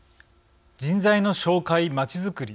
人材の紹介まちづくり